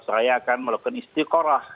saya akan melakukan istiqorah